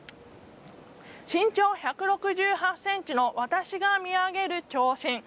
身長１６８ｃｍの私が見上げる長身